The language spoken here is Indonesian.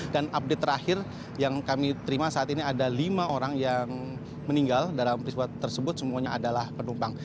dan update terakhir yang kami terima saat ini ada lima orang yang meninggal dalam peristiwa tersebut semuanya adalah penumpang